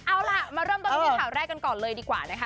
เอาล่ะมาเริ่มต้นที่ข่าวแรกกันก่อนเลยดีกว่านะคะ